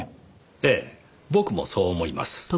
ええ僕もそう思います。